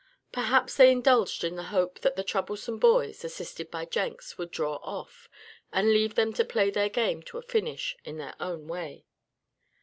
Perhaps they indulged in the hope that the troublesome boys, assisted by Jenks, would draw off, and leave them to play their game to a finish in their own way.